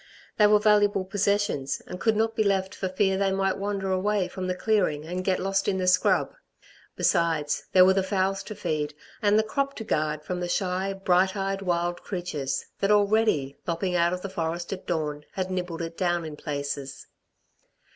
They were valuable possessions, and could not be left for fear they might wander away from the clearing and get lost in the scrub. Besides, there were the fowls to feed, and the crop to guard from the shy, bright eyed, wild creatures, that already, lopping out of the forest at dawn, had nibbled it down in places.